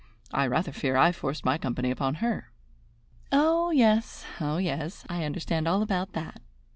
I rather fear I forced my company upon her." "Oh, yes, oh, yes; I understand all about that.